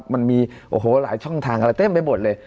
มันมีหลายช่องทางเต็มไปบดเลย